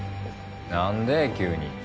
何で急に？